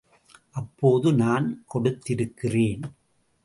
அப்போது நான் கொடுத்திருக்கிறேன்.